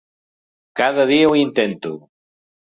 Cada dia ho intento...